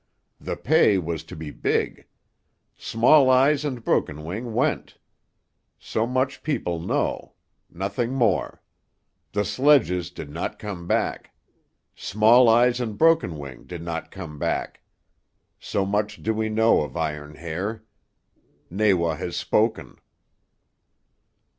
The pay was to be big. Small Eyes and Broken Wing went. So much people know. Nothing more. The sledges did not come back. Small Eyes and Broken Wing did not come back. So much do we know of Iron Hair. Nawa has spoken."